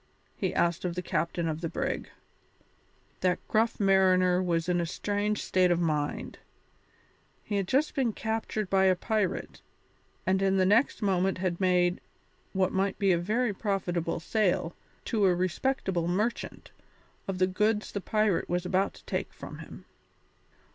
he asked of the captain of the brig. That gruff mariner was in a strange state of mind. He had just been captured by a pirate, and in the next moment had made, what might be a very profitable sale, to a respectable merchant, of the goods the pirate was about to take from him.